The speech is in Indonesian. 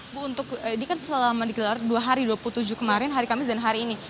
ibu untuk dikatakan selama dikeluarkan dua hari dua puluh tujuh kemarin hari kamis dan hari ini